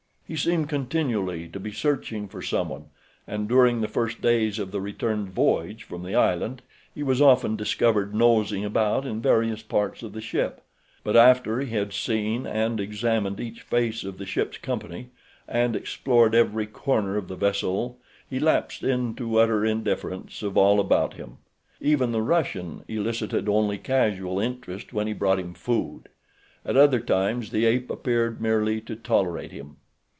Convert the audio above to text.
He seemed continually to be searching for someone, and during the first days of the return voyage from the island he was often discovered nosing about in various parts of the ship; but after he had seen and examined each face of the ship's company, and explored every corner of the vessel he lapsed into utter indifference of all about him. Even the Russian elicited only casual interest when he brought him food. At other times the ape appeared merely to tolerate him.